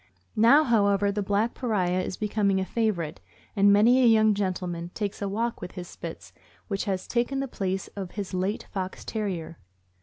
Now, how ever, the black pariah is becoming a favorite, and many a young gentleman takes a walk with his Spits, which has taken the place of his late Fox Terrier.